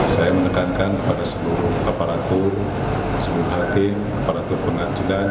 saya menekankan kepada seluruh aparatur seluruh hakim aparatur pengadilan